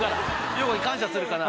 ヨコに感謝するかな？